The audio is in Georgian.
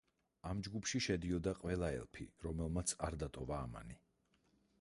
ამ ჯგუფში შედიოდა ყველა ელფი, რომელმაც არ დატოვა ამანი.